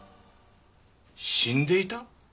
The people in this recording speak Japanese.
死んでいた？